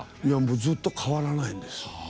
ずっと変わらないんです。